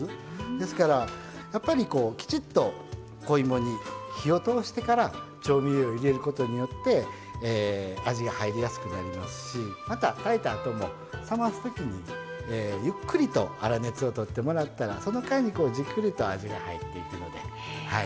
ですからやっぱりこうきちっと子芋に火を通してから調味料を入れることによって味が入りやすくなりますし炊いたあとも冷ます時にゆっくりと粗熱をとってもらったらその間にじっくりと味が入っていくのではい。